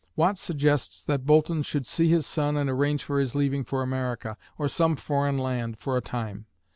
Watt suggests that Boulton should see his son and arrange for his leaving for America, or some foreign land, for a time.